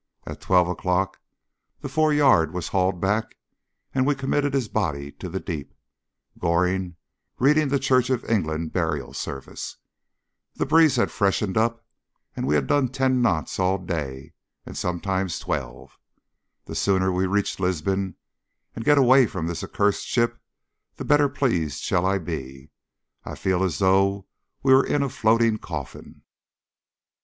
At twelve o'clock the foreyard was hauled aback, and we committed his body to the deep, Goring reading the Church of England burial service. The breeze has freshened up, and we have done ten knots all day and sometimes twelve. The sooner we reach Lisbon and get away from this accursed ship the better pleased shall I be. I feel as though we were in a floating coffin.